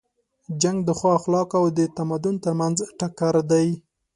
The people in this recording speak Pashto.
جنګ د ښو اخلاقو او د تمدن تر منځ ټکر دی.